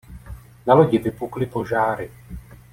Na lodi vypukly požáry.